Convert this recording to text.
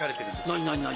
何何何？